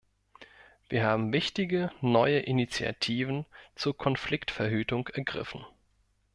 Wir haben wichtige neue Initiativen zur Konfliktverhütung ergriffen.